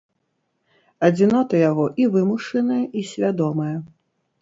Адзінота яго і вымушаная, і свядомая.